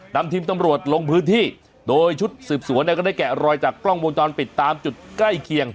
นำทีมตำรวจลงพื้นที่โดยชุดสืบสวนเนี่ยก็ได้แกะรอยจากกล้องวงจรปิดตามจุดใกล้เคียง